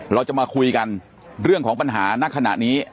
เราจะมาคุยกันเรื่องของปัญหาณขณะนี้